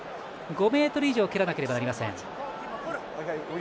５ｍ以上蹴らなければなりません。